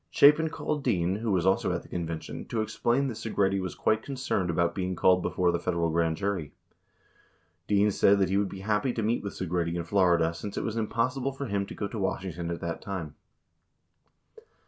Chapin called Dean, who was also at the convention, to explain that Segretti was quite concerned about being called before the Federal grand jury. 41 Dean said that he would be happy to meet with Segretti in Florida, since it was impossible for him to go to Washington at that time.